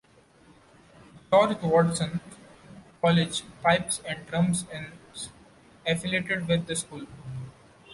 George Watson's College Pipes and Drums is affiliated with the school.